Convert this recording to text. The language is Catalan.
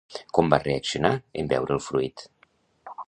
Com va reaccionar en veure el fruit?